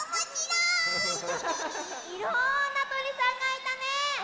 いろんなとりさんがいたね！